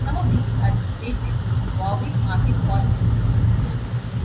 Some of these are displayed in Warwick Market Hall Museum.